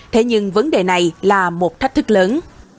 thế nhưng vấn đề này là một thách thức lớn